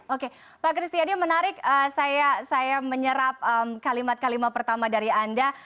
oke pak kristiadi menarik saya menyerap kalimat kalimat pertama dari anda